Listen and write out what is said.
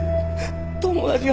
友達が